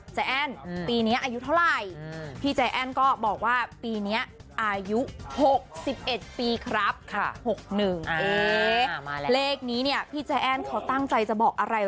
ใจแอ้นปีนี้อายุเท่าไรพี่ใจแอ้นก็บอกว่าปีนี้อายุ๖๐๖๑ปีครับ